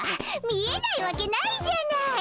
見えないわけないじゃないっ！